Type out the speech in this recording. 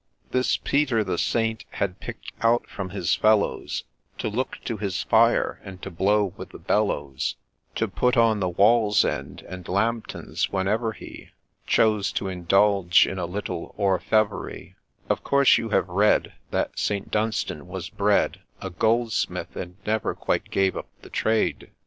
This Peter the Saint had pick'd out from his fellows, To look to his fire, and to blow with the bellows, To put on the Wall's Ends and Lambtons whenever he Chose to indulge in a little orfevrerie ,— Of course you have read, That St. Dunstan was bred A Goldsmith, and never quite gave up the trade